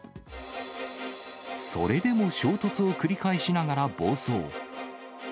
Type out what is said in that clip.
それでも衝突を繰り返しながら暴走。